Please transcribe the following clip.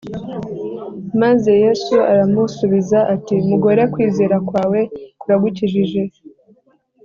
Maze Yesu aramusubiza ati “Mugore kwizera kwawe kuragukijije”